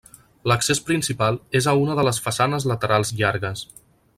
L'accés principal és a una de les façanes laterals llargues.